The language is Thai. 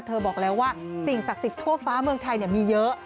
บอกแล้วว่าสิ่งศักดิ์สิทธิ์ทั่วฟ้าเมืองไทยมีเยอะ